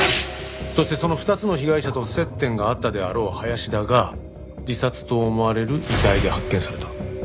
そしてその２つの被害者と接点があったであろう林田が自殺と思われる遺体で発見された。